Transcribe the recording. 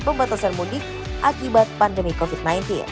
pembatasan mudik akibat pandemi covid sembilan belas